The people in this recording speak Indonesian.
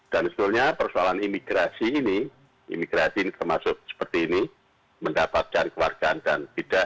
dan soalnya persoalan imigrasi ini imigrasi ini termasuk seperti ini mendapatkan kewarganegaraan dan tidak